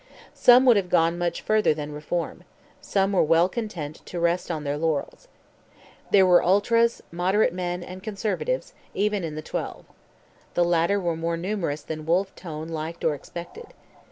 Some would have gone much further than reform; some were well content to rest on their laurels. There were ultras, moderate men, and conservatives, even in the twelve. The latter were more numerous than Wolfe Tone liked or expected.